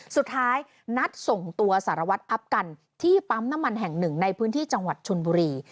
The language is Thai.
สุดท้ายนัดส่งตัวสารวัตรอัพกันที่ปั๊มน้ำมันแห่งหนึ่งในพื้นที่จังหวัดชนบุรี